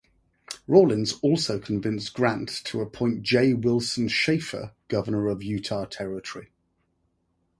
Rawlins also convinced Grant to appoint J. Wilson Shaffer Governor of Utah Territory.